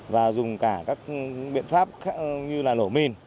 và dùng cả các biện pháp như là nổ min